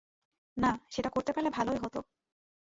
না, সেটা করতে পারলে ভালোই হতো।